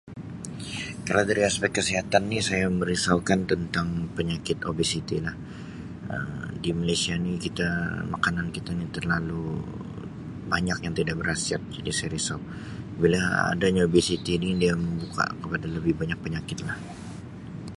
Kalau dari aspek kesihatan ni saya merisaukan tentang penyakit obesiti lah. Um Di Malaysia ni kita, makanan kita ni terlalu banyak yang tidak berkhasiat jadi saya risau bila adanya obesiti ni dia membuka kepada lebih banyak penyakit lah.